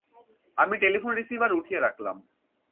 আমি telephone receiver উঠিয়ে রাখলাম।